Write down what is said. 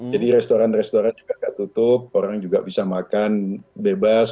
jadi restoran restoran juga nggak tutup orang juga bisa makan bebas